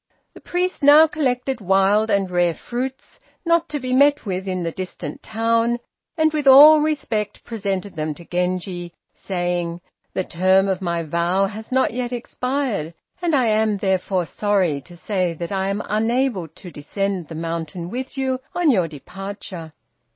The priest now collected wild and rare fruits, not to be met with in the distant town, and, with all respect, presented them to Genji, saying: "The term of my vow has not yet expired; and I am, therefore, sorry to say that I am unable to descend the mountain with you on your departure."